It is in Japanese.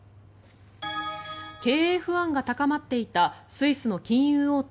経営不安が高まっていたスイスの金融大手